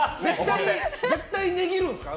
絶対値切るんですか？